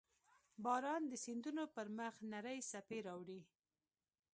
• باران د سیندونو پر مخ نرۍ څپې راوړي.